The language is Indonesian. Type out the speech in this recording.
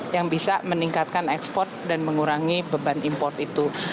yang bisa meningkatkan ekspor dan mengurangi beban import itu